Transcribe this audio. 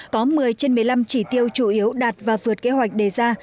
có một mươi trên một mươi năm chỉ tiêu chủ yếu đạt và vượt kế hoạch đề ra